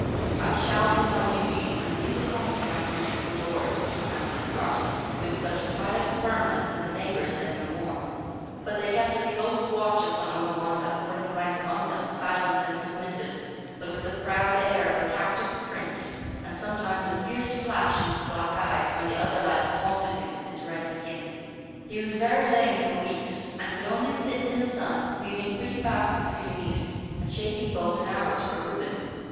I shall do my duty, and leave the consequences to the Lord," answered the parson, with such pious firmness that the neighbors said no more. But they kept a close watch upon Onawandah, when he went among them, silent and submissive, but with the proud air of a captive prince, and sometimes a fierce flash in his black eyes when the other lads taunted him with his red skin. He was very lame for weeks, and could only sit in the sun, weaving pretty baskets for Eunice, and shaping bows and arrows for Reuben.